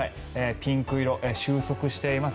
ピンク色、収束しています。